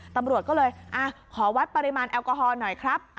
ตำรวจก็เลยขอวัดปริมาณแอลกอฮอลหน่อยครับ